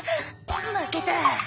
負けた。